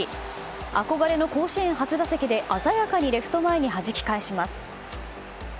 憧れの甲子園初打席で鮮やかにレフト前にはじき返します。